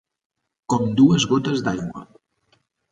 Com dues gotes d'aigua